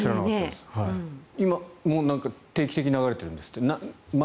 今も定期的に流れているんですって。